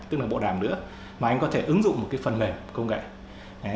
tức là bộ đàm nữa mà anh có thể ứng dụng một cái phần mềm công nghệ